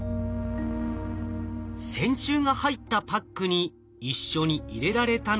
線虫が入ったパックに一緒に入れられたのは。